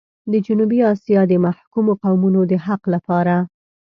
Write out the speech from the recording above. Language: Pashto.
د جنوبي اسيا د محکومو قومونو د حق لپاره.